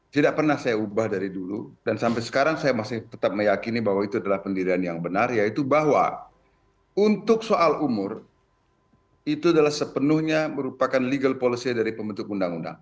tidak pernah saya ubah dari dulu dan sampai sekarang saya masih tetap meyakini bahwa itu adalah pendirian yang benar yaitu bahwa untuk soal umur itu adalah sepenuhnya merupakan legal policy dari pembentuk undang undang